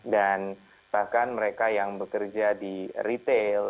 dan bahkan mereka yang bekerja di retail